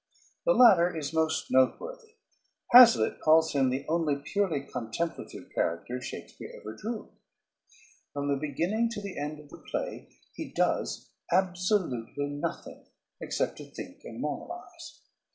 The latter is most noteworthy. Hazlitt calls him the only purely contemplative character Shakespeare ever drew. From the beginning to the end of the play he does absolutely nothing except to think and moralize.